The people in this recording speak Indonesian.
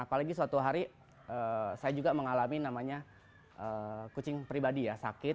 apalagi suatu hari saya juga mengalami namanya kucing pribadi ya sakit